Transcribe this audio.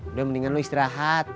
udah mendingan lu istirahat